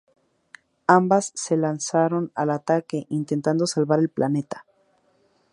Ambas se lanzan al ataque, intentando salvar el planeta.